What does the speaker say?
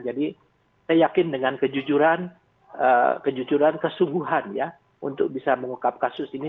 jadi saya yakin dengan kejujuran kesungguhan ya untuk bisa mengungkap kasus ini